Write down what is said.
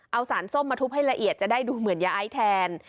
เอาสารส้มมาทุบให้ละเอียดจะได้ดูเหมือนยาไอแทน